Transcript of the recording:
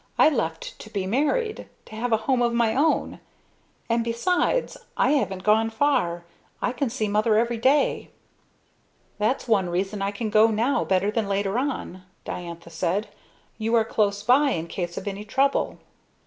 "I left to be married, to have a home of my own. And besides I haven't gone far! I can see Mother every day." "That's one reason I can go now better than later on," Diantha said. "You are close by in case of any trouble."